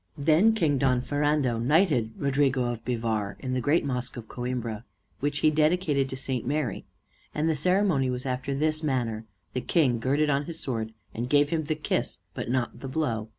Then King Don Ferrando knighted Rodrigo of Bivar in the great mosque of Coimbra, which he dedicated to St. Mary. And the ceremony was after this manner: the King girded on his sword, and gave him the kiss, but not the blow.